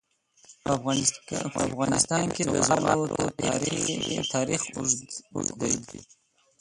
په افغانستان کې د زغال تاریخ اوږد دی.